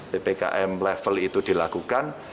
ppkm level itu dilakukan